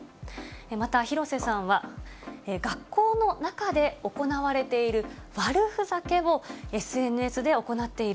また、廣瀬さんは、学校の中で行われている悪ふざけを、ＳＮＳで行っている。